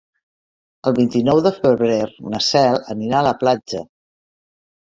El vint-i-nou de febrer na Cel anirà a la platja.